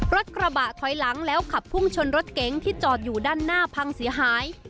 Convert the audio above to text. รถกระบะถอยหลังแล้วขับพุ่งชนรถเก๋งที่จอดอยู่ด้านหน้าพังเสียหาย